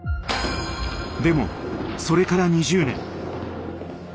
でもそれから２０年。